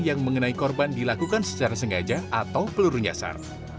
yang mengenai korban dilakukan secara sengaja atau peluru nyasar